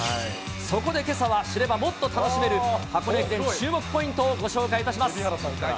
そこでけさは知ればもっと楽しめる、箱根駅伝注目ポイントをご紹介いたします。